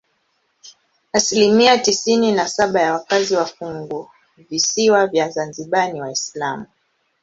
Asilimia tisini na saba ya wakazi wa funguvisiwa vya Zanzibar ni Waislamu.